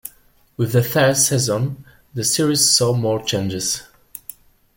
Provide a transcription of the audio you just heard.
With the third season, the series saw more changes.